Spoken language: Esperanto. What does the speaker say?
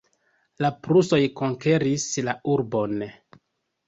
La prusoj konkeris la urbon.